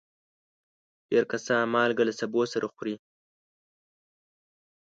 ډېر کسان مالګه له سبو سره خوري.